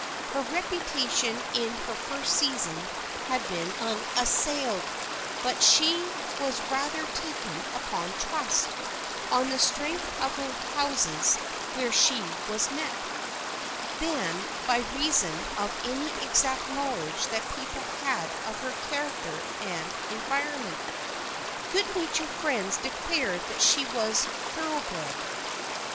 Her reputation in her first season had been unassailed, but she was rather taken upon trust, on the strength of the houses where she was met, than by reason of any exact knowledge that people had of her character and environment. Good natured friends declared that she was thoroughbred.